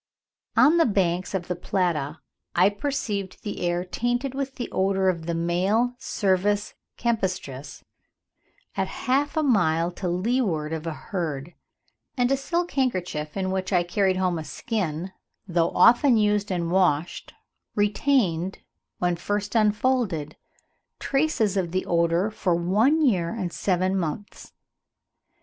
On the banks of the Plata I perceived the air tainted with the odour of the male Cervus campestris, at half a mile to leeward of a herd; and a silk handkerchief, in which I carried home a skin, though often used and washed, retained, when first unfolded, traces of the odour for one year and seven months.